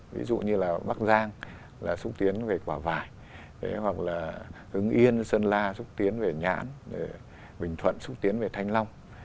ví dụ như là bắc giang là xúc tiến về quả vải hoặc là hưng yên sơn la xúc tiến về nhãn bình thuận xúc tiến về thanh long